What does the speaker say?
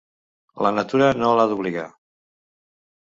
La natura no l'ha d'obligar.